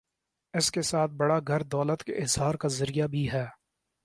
اس کے ساتھ بڑا گھر دولت کے اظہار کا ذریعہ بھی ہے۔